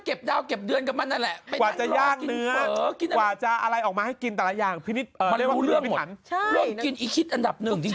เขาต้องประติตประดอยครับอาหารอะไรเราไปกินประติตประดอย